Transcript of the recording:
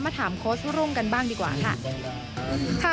ถามโค้ชรุ่งกันบ้างดีกว่าค่ะ